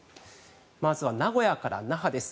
まずは名古屋から那覇です。